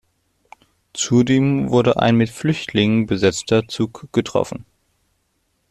Zudem wurde ein mit Flüchtlingen besetzter Zug getroffen.